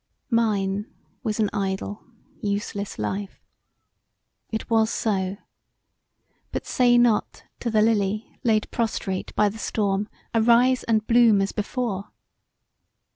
Mine was an idle, useless life; it was so; but say not to the lily laid prostrate by the storm arise, and bloom as before.